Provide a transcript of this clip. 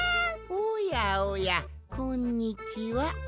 おやおやこんにちは。